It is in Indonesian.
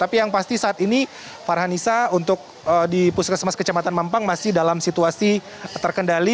tapi yang pasti saat ini farhanisa untuk di puskesmas kecamatan mampang masih dalam situasi terkendali